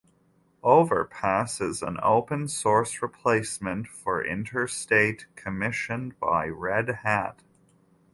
Overpass is an open source replacement for Interstate commissioned by Red Hat.